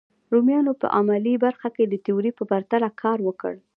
رومیانو په عملي برخه کې د تیوري په پرتله کار وکړ.